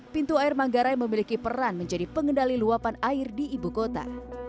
pintu air manggarai memiliki peran menjadi pengendali luapan air di ibu kota